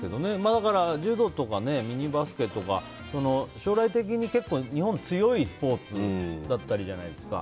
だから柔道とかミニバスケとか将来的に日本が強いスポーツだったりするじゃないですか。